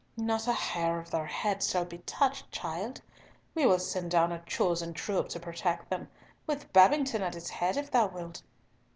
"Not a hair of their heads shall be touched, child. We will send down a chosen troop to protect them, with Babington at its head if thou wilt.